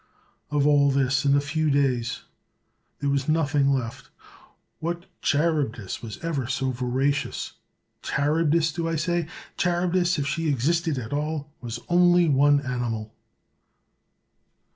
Of all this in a few days, there was nothing left. What Charybdis was ever so voracious? Charyb dis, do I say? Charybdis, if she existed at all, was only one animal.